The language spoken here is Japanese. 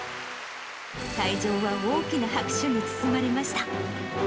会場は大きな拍手に包まれました。